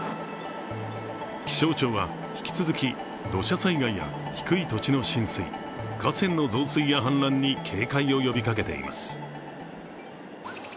気象庁は引き続き土砂災害や低い土地の浸水河川の増水や氾濫に警戒を呼びかけています。